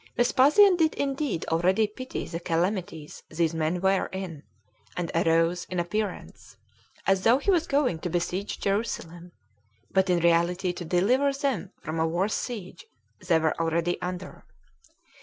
Vespasian did indeed already pity the calamities these men were in, and arose, in appearance, as though he was going to besiege Jerusalem, but in reality to deliver them from a [worse] siege they were already under.